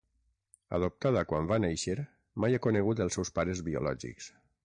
Adoptada quan va néixer, mai ha conegut els seus pares biològics.